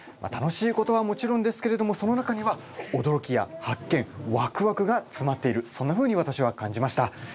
楽しいことはもちろんですけれどもその中にはおどろきや発見わくわくがつまっているそんなふうにわたしは感じました。